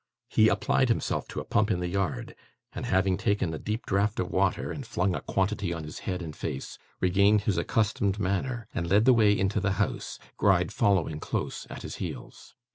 He applied himself to a pump in the yard; and, having taken a deep draught of water and flung a quantity on his head and face, regained his accustomed manner and led the way into the house: Gride following close at his heels.